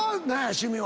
趣味は。